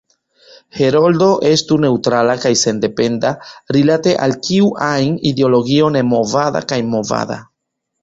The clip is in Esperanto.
“Heroldo“ estu neŭtrala kaj sendependa rilate al kiu ajn ideologio nemovada kaj movada.